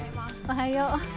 おはよう。